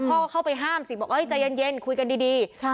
พ่อเข้าไปห้ามสิบอกอ้อยใจเย็นเย็นคุยกันดีดีค่ะ